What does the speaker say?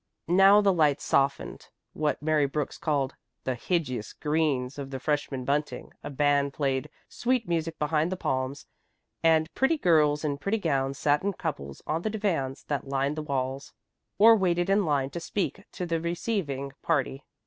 Now the lights softened what Mary Brooks called the "hidjous" greens of the freshman bunting, a band played sweet music behind the palms, and pretty girls in pretty gowns sat in couples on the divans that lined the walls, or waited in line to speak to the receiving party.